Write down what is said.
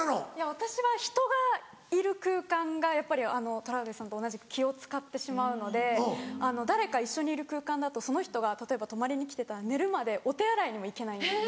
私は人がいる空間がやっぱりトラウデンさんと同じく気を使ってしまうので誰か一緒にいる空間だとその人が例えば泊まりに来てたら寝るまでお手洗いにも行けないんですよ。